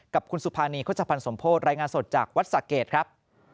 กับคุณสุภานีโฆษภัณฑ์สมโพธิรายงานสดจากวัดสะเกดครับ